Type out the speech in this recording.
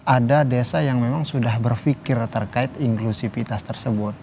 ada desa yang memang sudah berpikir terkait inklusivitas tersebut